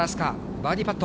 バーディーパット。